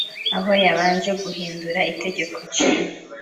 aho yabanje guhindura itegeko nshinga